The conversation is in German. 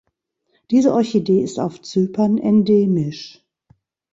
Diese Orchidee ist auf Zypern endemisch.